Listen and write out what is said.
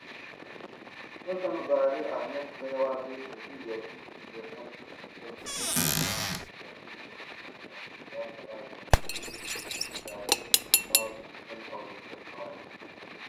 Barthelme is said to write in a distinctive "post-Southern" style.